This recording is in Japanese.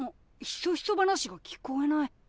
ひそひそ話が聞こえない。